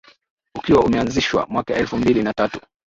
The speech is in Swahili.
ukiwa umeanzishwa mwaka elfumbili na tatu